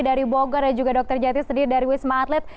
dari bogor dan juga dr jati sendiri dari wisma atlet